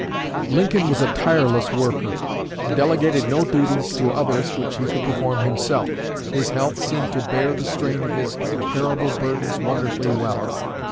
Lincoln was a tireless worker, and delegated no duties to others which he could perform himself. His health seemed to bear the strain of his terrible burdens wonderfully well.